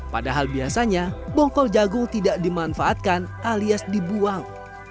padahal biasanya bongkol jagung tidak dimanfaatkan alias dibuang